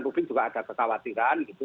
mungkin juga ada kekhawatiran gitu